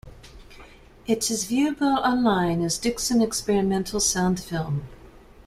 It is viewable online as "Dickson Experimental Sound Film".